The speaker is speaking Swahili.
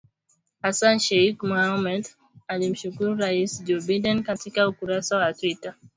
Hassan Sheikh Mohamud alimshukuru Rais Joe Biden katika ukurasa wa Twita siku ya Jumanne